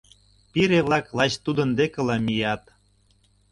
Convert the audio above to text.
Пире-влак лач тудын декыла мият